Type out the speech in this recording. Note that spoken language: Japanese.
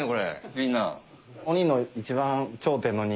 みんな。